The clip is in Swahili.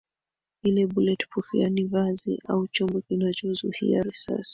ile bullet proof yaani vazi au chombo kinachozuhia risasi